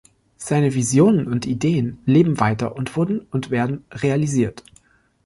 Seine Visionen und Ideen leben weiter und wurden und werden realisiert.